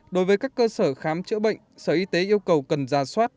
đối với các cơ sở khám chữa bệnh sở y tế yêu cầu cần ra soát